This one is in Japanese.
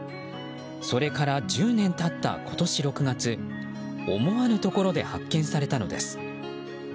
それから１０年経った今年６月思わぬところで発見されたのです。